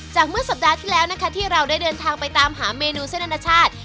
เมื่อสัปดาห์ที่แล้วนะคะที่เราได้เดินทางไปตามหาเมนูเส้นอนาชาติ